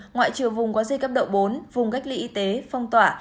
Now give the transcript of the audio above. ngoại trừ vùng có dây cấp độ bốn vùng cách ly y tế phong tỏa